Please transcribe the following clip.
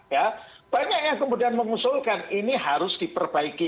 ya banyak yang kemudian mengusulkan ini harus diperbaiki